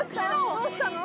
どうしたの？